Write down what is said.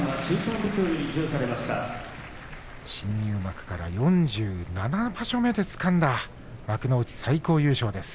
新入幕から４７場所目でつかんだ幕内最高優勝です。